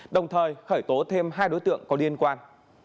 đồng thời khởi tố thêm hai đối tượng có liên quan